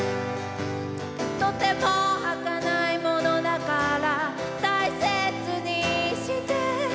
「とても儚ないものだから大切にして」